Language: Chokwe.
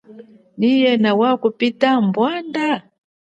Nyi yena wakupita mbwanda?